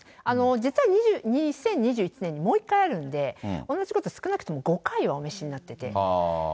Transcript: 実は２０２１年にもう一回あるんで、同じコート、少なくとも５回はお召しになってて。